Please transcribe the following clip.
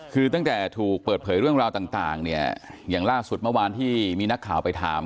คือตั้งแต่ถูกเปิดเผยเรื่องราวต่างเนี่ยอย่างล่าสุดเมื่อวานที่มีนักข่าวไปถาม